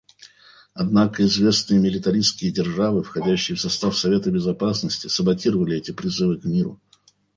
Однако известные милитаристские державы, входящие в состав Совета Безопасности, саботировали эти призывы к миру.